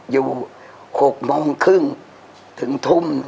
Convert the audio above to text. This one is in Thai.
อยู่๖โมงครึ่งถึงทุ่ม